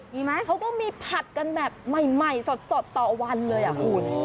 มีไหมเขาก็มีผัดกันแบบใหม่สดต่อวันเลยอ่ะคุณ